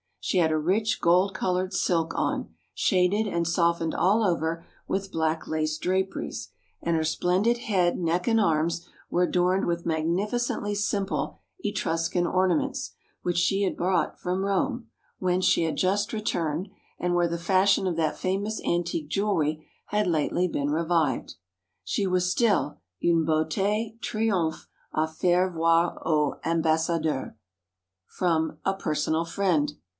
She had a rich gold coloured silk on, shaded and softened all over with black lace draperies, and her splendid head, neck, and arms, were adorned with magnificently simple Etruscan ornaments, which she had brought from Rome, whence she had just returned, and where the fashion of that famous antique jewellery had lately been revived. She was still 'une beauté triomphante à faire voir aux ambassadeurs.'" [Sidenote: A personal friend.